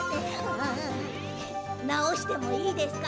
うううなおしてもいいですか？